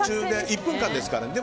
１分間ですから。